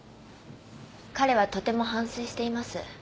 彼はとても反省しています。